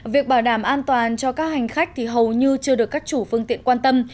việc bảo đảm an toàn cho các hành khách thì hầu như chưa được các chủ phương tiện quan tâm